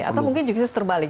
atau mungkin juga terbalik